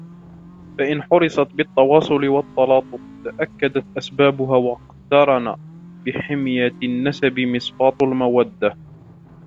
فَإِنْ حُرِسَتْ بِالتَّوَاصُلِ وَالتَّلَاطُفِ تَأَكَّدَتْ أَسْبَابُهَا وَاقْتَرَنَ بِحَمِيَّةِ النَّسَبِ مُصَافَاةُ الْمَوَدَّةِ